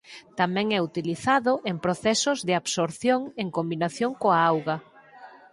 Tamén é utilizado en procesos de absorción en combinación coa auga.